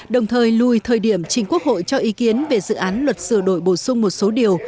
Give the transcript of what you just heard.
đồng thời lùi thời điểm chính quốc hội cho ý kiến về dự án luật sửa đổi bổ sung một số điều